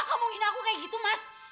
kamu menghina aku kayak gitu mas